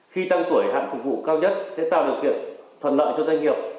khi tăng tuổi hạn phục vụ cao nhất sẽ tạo điều kiện thuận lợi cho doanh nghiệp